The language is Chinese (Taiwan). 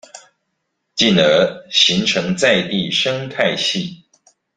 進而形成在地生態系